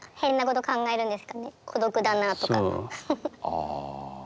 ああ。